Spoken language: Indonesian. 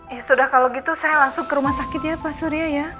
ya sudah kalau gitu saya langsung ke rumah sakit ya pak surya ya